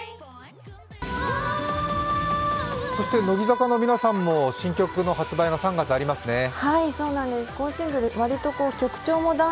乃木坂の皆さんも新曲の発売が３月にありますね。